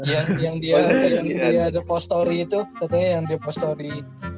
yang dia yang dia yang dia depository itu katanya yang dia depository